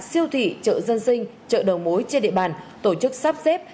siêu thị chợ dân sinh chợ đầu mối trên địa bàn tổ chức sắp xếp